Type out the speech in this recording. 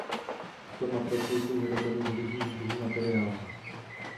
Tyto matrace jsou vyrobeny z různých druhů materiálů.